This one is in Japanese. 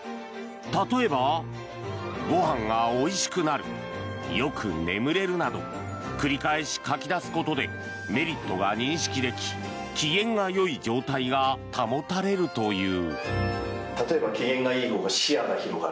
例えば、ご飯がおいしくなるよく眠れるなど繰り返し書き出すことでメリットが認識でき機嫌がよい状態が保たれるという。